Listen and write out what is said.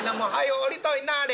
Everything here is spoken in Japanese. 下りといなはれ！」。